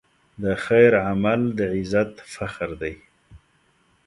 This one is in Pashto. د خیر عمل د عزت فخر دی.